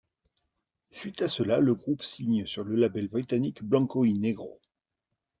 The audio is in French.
Suite à cela, le groupe signe sur le label britannique Blanco Y Negro.